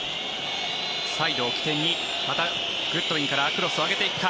サイドを起点にグッドウィンからクロスを上げていった。